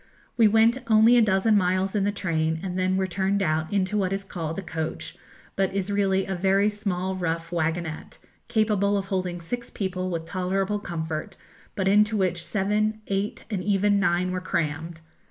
We went only a dozen miles in the train, and then were turned out into what is called a coach, but is really a very small rough wagonnette, capable of holding six people with tolerable comfort, but into which seven, eight, and even nine were crammed.